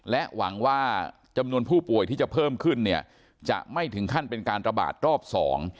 และหวังว่าจำนวนผู้ป่วยที่จะเพิ่มขึ้นเนี่ยจะไม่ถึงขั้นเป็นการระบาดรอบสอง